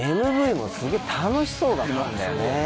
ＭＶもすげぇ楽しそうだったんだよね。